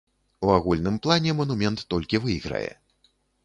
У агульным плане манумент толькі выйграе.